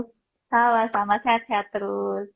selamat salam sehat sehat terus